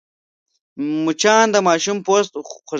مچان د ماشوم پوست خوږوي